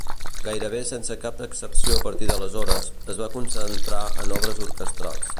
Gairebé sense cap excepció a partir d'aleshores, es va concentrar en obres orquestrals.